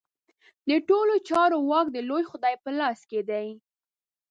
د ټولو چارو واک د لوی خدای په لاس کې دی.